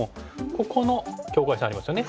ここの境界線ありますよね。